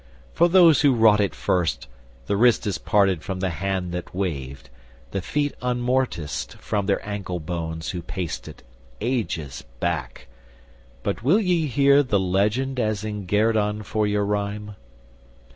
For those who wrought it first, The wrist is parted from the hand that waved, The feet unmortised from their ankle bones Who paced it, ages back: but will ye hear The legend as in guerdon for your rhyme?